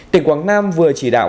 tỉnh quảng nam vừa chỉ đạo